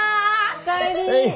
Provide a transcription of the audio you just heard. お帰り。